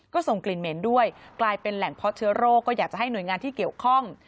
ก็ส่งกลิ่นเหม็นด้วยกลายเป็นแหล่งเพาะเชื้อโรคก็อยากจะให้หน่วยงานที่เกี่ยวข้อง